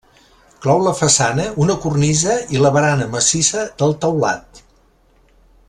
Clou la façana una cornisa i la barana massissa del teulat.